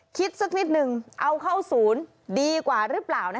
คิดสักนิดนึงเอาเข้าศูนย์ดีกว่าหรือเปล่า